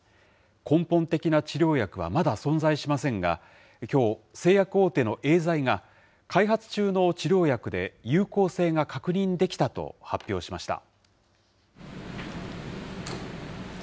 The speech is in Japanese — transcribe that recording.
根本的な治療薬はまだ存在しませんが、きょう、製薬大手のエーザイが、開発中の治療薬で有効性が確認できたと発表しました。